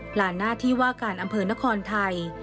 หลานหน้าที่ว่าการอำเภอนครไทย